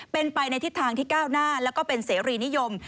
เป็นไปในทิศทางที่ก้าวหน้าแล้วก็เป็นเสรีนิยม